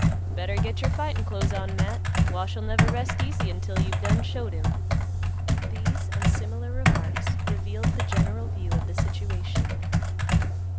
"Better get your fightin' clothes on, Matt; Wash'll never rest easy until you've done showed him." These and similar remarks revealed the general view of the situation.